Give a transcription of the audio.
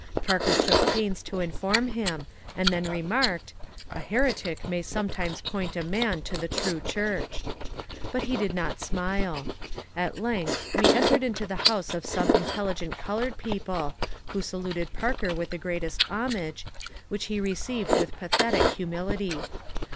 Parker took pains to inform him, and then remarked, ^^ A heretic may sometimes point a man to the True Church." But he did not smile. At length we entered into the house of some intelligent coloured people, who saluted Parker with the greatest homage, which he re ceived with pathetic humility.